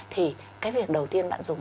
thì cái việc đầu tiên bạn dùng